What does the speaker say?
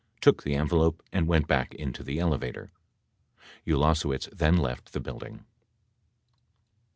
53 took the envelope and went back into the elevator. Ulasewicz then left the building.